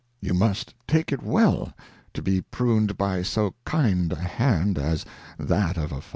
You must take it well to be prun'd by so kind a Hand as that of a Father.